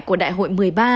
của đại hội một mươi ba